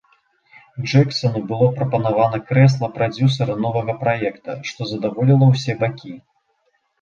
Джэксану было прапанавана крэсла прадзюсара новага праекта, што задаволіла ўсе бакі.